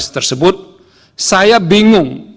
tersebut saya bingungkan